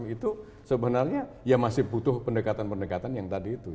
itu sebenarnya masih butuh pendekatan yang tadi itu